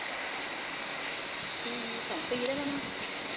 สองปีได้ไหมนะ